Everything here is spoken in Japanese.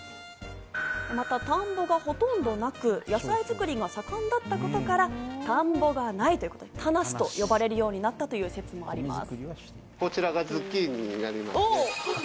また、田んぼがほとんどなく野菜づくりが盛んだったことから、田んぼがないということで「田無」と呼ばれることになった説があります。